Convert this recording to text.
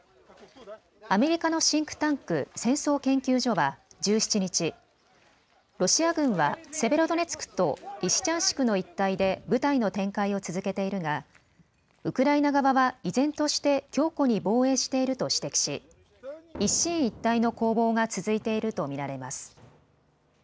アメリカのシンクタンク、戦争研究所は１７日、ロシア軍はセベロドネツクとリシチャンシクの一帯で部隊の展開を続けているがウクライナ側は依然として強固に防衛していると指摘し、一進一退の攻防が続いていると見られます。